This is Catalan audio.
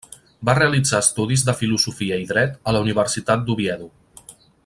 Va realitzar estudis de Filosofia i Dret a la Universitat d'Oviedo.